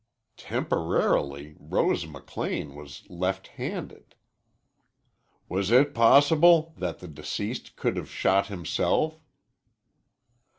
Temporarily Rose McLean was left handed. "Was it possible that the deceased could have shot himself?"